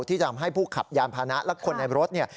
ที่ทำให้ผู้ขับยานพานะและคนในรถเนี่ย